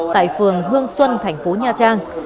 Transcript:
tại phường hương xuân tp nha trang